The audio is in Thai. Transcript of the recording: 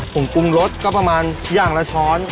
ผมปรุงรสก็ประมาณอย่างละช้อน